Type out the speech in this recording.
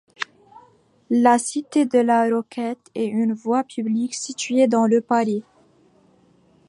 La cité de la Roquette est une voie publique située dans le de Paris.